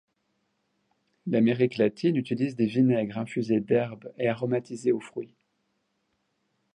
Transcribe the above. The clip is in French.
L'Amérique latine utilise des vinaigres infusés d’herbes et aromatisés aux fruits.